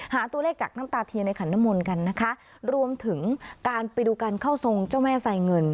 หาตัวเลขจากน้ำตาเทียนในขันนมนต์กันนะคะรวมถึงการไปดูการเข้าทรงเจ้าแม่ไซเงิน